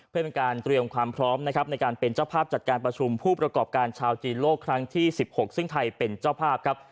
เพื่อเป็นการเตรียมความพร้อมนะครับในการเป็นเจ้าภาพจัดการประชุมผู้ประกอบการชาวจีนโลกครั้งที่๑๖ซึ่งไทยเป็นเจ้าภาพครับ